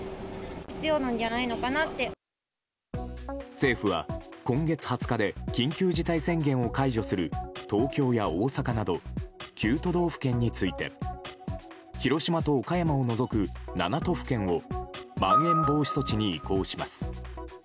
政府は、今月２０日で緊急事態宣言を解除する東京や大阪など９都道府県について広島と岡山を除く７都府県をまん延防止措置に移行します。